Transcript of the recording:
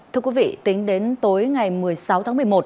thưa quý vị tính đến tối ngày một mươi sáu tháng một mươi một